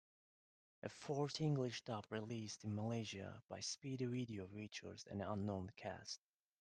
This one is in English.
A fourth English dub released in Malaysia by Speedy Video features an unknown cast.